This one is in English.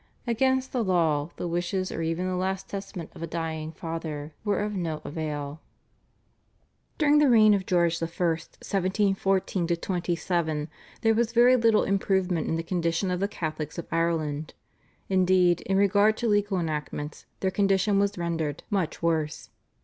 Against the law, the wishes or even the last testament of a dying father were of no avail. During the reign of George I. (1714 27) there was very little improvement in the condition of the Catholics of Ireland. Indeed, in regard to legal enactments their condition was rendered much worse.